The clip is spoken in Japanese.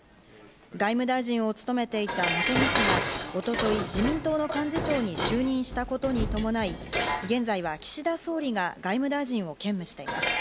外務大臣を務めていた茂木氏が一昨日、自民党の幹事長に就任したことに伴い、現在は、岸田総理が外務大臣を兼務しています。